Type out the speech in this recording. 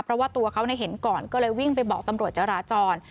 เพราะว่าตัวเขาเห็นก่อนก็เลยวิ่งไปบอกตำรวจจราจร